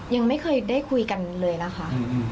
ยังไม่เคยได้คุยกันเลยนะคะ